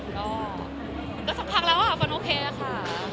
ก็สักพักแล้วฟันโอเคค่ะ